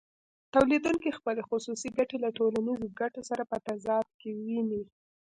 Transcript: تولیدونکی خپلې خصوصي ګټې له ټولنیزو ګټو سره په تضاد کې ویني